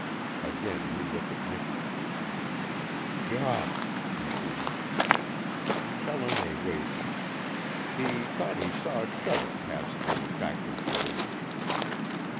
Again he looked at Miki. "GAWD!" he breathed. Challoner waited. He thought he saw a shudder pass through the Factor's shoulders.